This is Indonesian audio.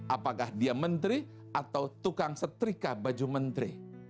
apakah dia menteri atau tukang setrika baju menteri